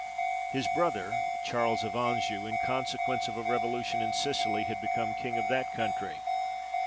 His brother, Charles of Anjou, in consequence of a revolution in Sicily, had become king of that country.